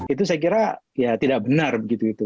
itu saya kira tidak benar begitu begitu